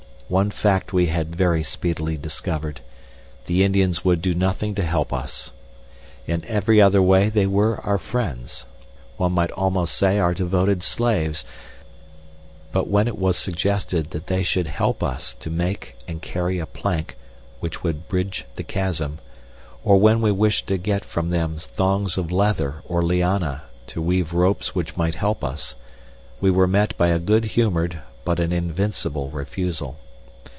One fact we had very speedily discovered: The Indians would do nothing to help us. In every other way they were our friends one might almost say our devoted slaves but when it was suggested that they should help us to make and carry a plank which would bridge the chasm, or when we wished to get from them thongs of leather or liana to weave ropes which might help us, we were met by a good humored, but an invincible, refusal.